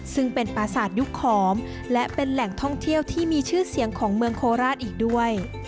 ซึ่งเป็นประสาทยุคขอมและเป็นแหล่งท่องเที่ยวที่มีชื่อเสียงของเมืองโคราชอีกด้วย